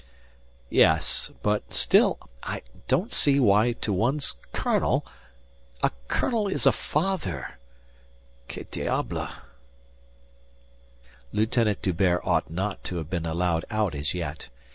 "Yes. But still I don't see why to one's colonel... A colonel is a father que diable." Lieutenant D'Hubert ought not to have been allowed out as yet.